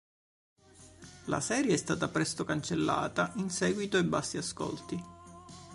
La serie è stata presto cancellata in seguito ai bassi ascolti.